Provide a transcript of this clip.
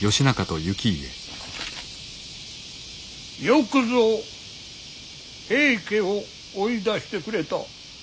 よくぞ平家を追い出してくれた。